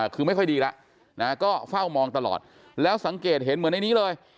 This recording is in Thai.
คือไม่ค่อยดีแล้วก็เฝ้ามองตลอดแล้วสังเกตเห็นเหมือนในนี้เลย